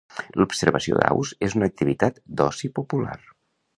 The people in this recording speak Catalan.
L'observació d'aus és una activitat d'oci popular.